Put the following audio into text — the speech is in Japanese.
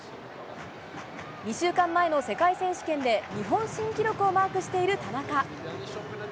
２週間前の世界選手権で日本新記録をマークしている田中。